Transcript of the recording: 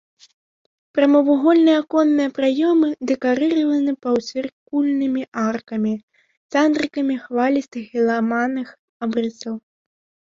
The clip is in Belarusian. Прамавугольныя аконныя праёмы дэкарыраваны паўцыркульнымі аркамі, сандрыкамі хвалістых і ламаных абрысаў.